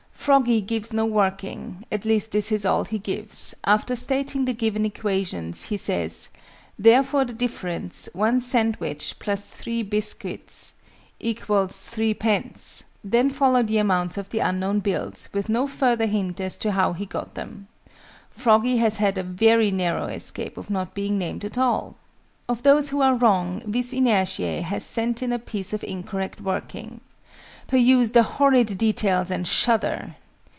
FROGGY gives no working at least this is all he gives: after stating the given equations, he says "therefore the difference, 1 sandwich + 3 biscuits, = 3_d._": then follow the amounts of the unknown bills, with no further hint as to how he got them. FROGGY has had a very narrow escape of not being named at all! Of those who are wrong, VIS INERTIÆ has sent in a piece of incorrect working. Peruse the horrid details, and shudder!